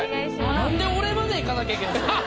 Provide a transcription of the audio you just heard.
なんで俺まで行かなきゃいけないんすかこれ。